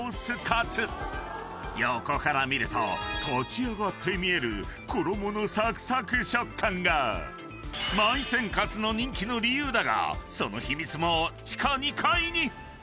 ［横から見ると立ち上がって見える衣のサクサク食感が「まい泉」カツの人気の理由だがその］